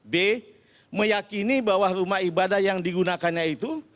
b meyakini bahwa rumah ibadah yang digunakannya itu